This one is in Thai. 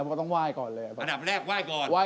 ฟงเหมือนพี่ไหมที่แบบว่า